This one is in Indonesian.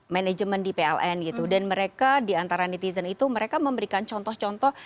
manajemen di pln gitu dan mereka diantara netizen itu mereka memberikan contoh contoh